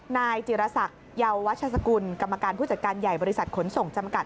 นายจิรษักเยาวัชกุลกรรมการผู้จัดการใหญ่บริษัทขนส่งจำกัด